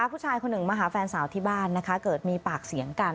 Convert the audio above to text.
ผู้ชายคนหนึ่งมาหาแฟนสาวที่บ้านนะคะเกิดมีปากเสียงกัน